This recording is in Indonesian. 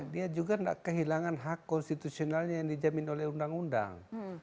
dia juga tidak kehilangan hak konstitusionalnya yang dijamin oleh undang undang